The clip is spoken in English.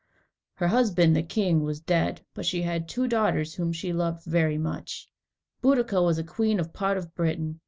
Her husband, the king, was dead, but she had two daughters whom she loved very much. Boadicea was queen of a part of Britain.